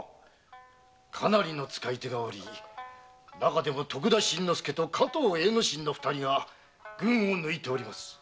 かなりの遣い手がおり中でも徳田新之助と加東栄之進の二人が群を抜いております。